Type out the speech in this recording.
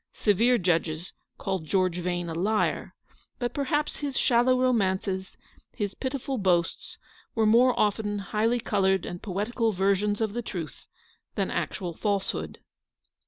Severe judges called George Vane a liar ; but perhaps his shallow romances, his pitiful boasts, were more often highly coloured and poetical versions of the truth, than actual false hood.